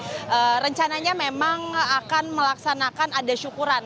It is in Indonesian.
jadi rencananya memang akan melaksanakan ada syukuran